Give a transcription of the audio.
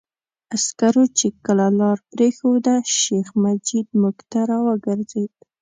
عسکرو چې کله لاره پرېښوده، شیخ مجید موږ ته را وګرځېد.